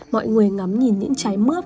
mọi người ngắm nhìn những trái mướp